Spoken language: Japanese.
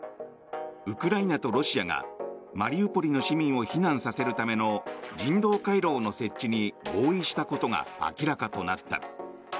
ウクライナとロシアがマリウポリの市民を避難させるための人道回廊の設置に合意したことが明らかとなった。